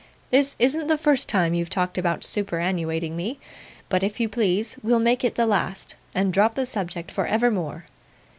'This isn't the first time you've talked about superannuating me; but, if you please, we'll make it the last, and drop the subject for evermore.